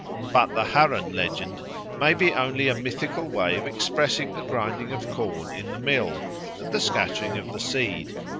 But the Harran legend may be only a mythical way of expressing the grinding of corn in the mill and the scattering of the seed.